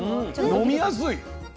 飲みやすい。